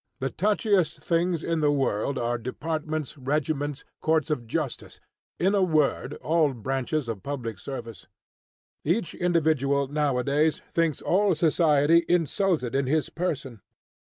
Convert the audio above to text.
The touchiest things in the world are departments, regiments, courts of justice, in a word, all branches of public service. Each individual nowadays thinks all society insulted in his person.